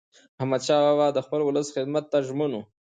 احمدشاه بابا د خپل ولس خدمت ته ژمن و.